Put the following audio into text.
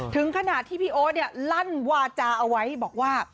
ถึงขนาดที่พี่โอ๊ตลั่นวาจาเอาไว้บอกว่า